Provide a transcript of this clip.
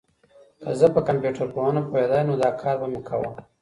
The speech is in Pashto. که زه په کمپيوټر پوهنه پوهېدای، نو دا کار به مي کاوه.